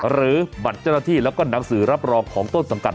หรือบัตรเจ้าหน้าที่แล้วก็หนังสือรับรองของต้นสังกัด